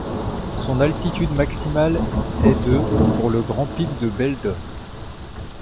Son altitude maximale est de pour le Grand pic de Belledonne.